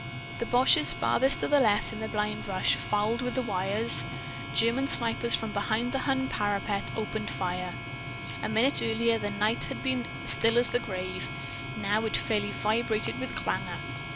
The boches farthest to the left, in the blind rush, fouled with the wires. German snipers, from behind the Hun parapets, opened fire. A minute earlier the night had been still as the grave. Now it fairly vibrated with clangor.